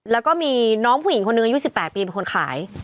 แล้วก็มีน้องผู้หญิงคนหนึ่งอายุ๑๘ปีเป็นคนขาย